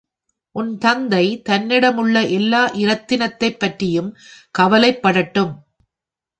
உன்தந்தை தன்னிடமுள்ள எல்லா இரத்தினத்தைப்பற்றியும் கவலைப்படட்டும்.